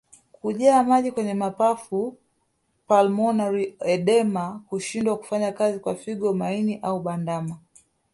Kujaa maji kwenye mapafu pulmonary edema Kushindwa kufanya kazi kwa figo maini au bandama